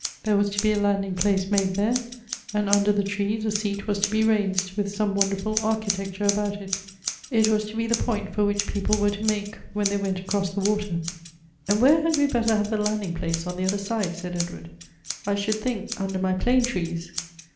There was to be a landing place made there, and under the trees a seat was to be raised, with some wonderful architecture about it : it was to be the point for which people were to make when they went across the water. "And where had we better have the landing place on the otlier side ?" said Edward. " I should think under my plane trees."